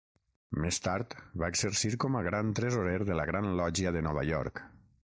Més tard va exercir com a Gran Tresorer de la Gran Lògia de Nova York.